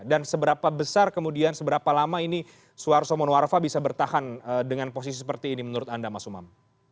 dan seberapa besar kemudian seberapa lama ini suharso monwarfa bisa bertahan dengan posisi seperti ini menurut anda mas umam